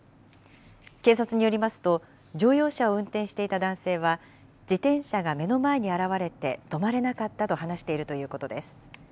警察によりますと、乗用車を運転していた男性は、自転車が目の前に現れて止まれなかったと話しているということです。